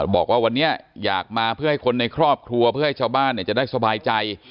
บอกว่าวันนี้อยากมาเพื่อให้คนในครอบครัวเพื่อให้ชาวบ้านจะได้สบายใจ